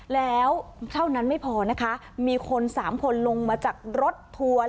แล้วเท่านั้นไม่พอนะคะมีคน๓คนลงมาจากรถทัวร์